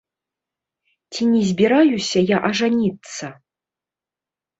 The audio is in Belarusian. Ці не збіраюся я ажаніцца?